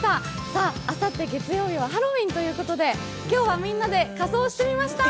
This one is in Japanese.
さぁ、あさって月曜日はハロウィーンということで、今日はみんなで仮装してみました！